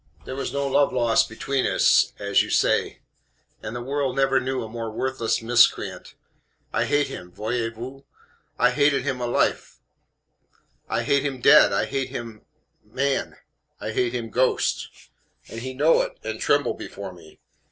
There was no love lost between us, as you say: and the world never knew a more worthless miscreant. I hate him, voyez vous? I hated him alife; I hate him dead. I hate him man; I hate him ghost: and he know it, and tremble before me.